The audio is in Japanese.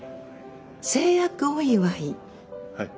成約お祝い？